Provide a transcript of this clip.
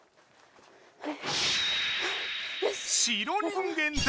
白人間だ！